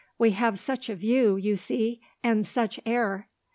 We have such a view, you see; and such air."